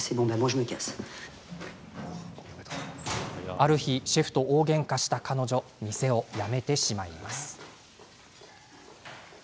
ある日、シェフと大げんかした彼女は店を辞めてしまいます。